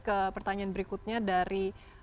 ke pertanyaan berikutnya dari